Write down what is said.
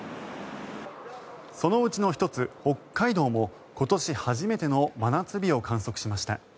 そのうちの１つ、北海道も今年初めての真夏日を記録しました。